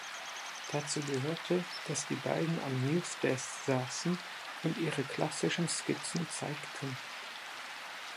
Dazu gehörte, dass die beiden am Newsdeks saßen und ihre klassischen Skizzen zeigten.